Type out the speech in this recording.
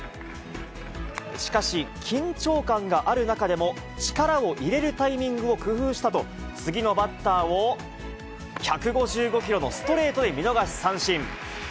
しかし、緊張感がある中でも、力を入れるタイミングを工夫したと、次のバッターを１５５キロのストレートで見逃し三振。